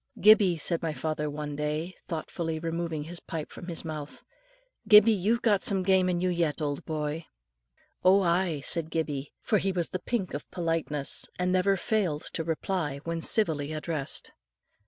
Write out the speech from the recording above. "Gibbie," said my father one day, thoughtfully removing his pipe from his mouth; "Gibbie, you've got some game in you yet, old boy." "Oh, aye," said Gibbie, for he was the pink of politeness, and never failed to reply when civilly addressed.